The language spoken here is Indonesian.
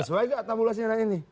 sesuai gak tabulasinya dengan ini